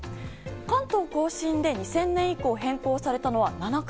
関東・甲信で２０００年以降変更されたのは７回。